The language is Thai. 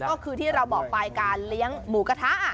ก็คือที่เราบอกไปการเลี้ยงหมูกระทะ